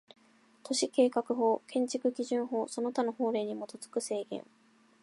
都市計画法、建築基準法その他の法令に基づく制限